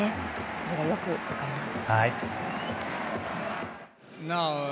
それがよく分かります。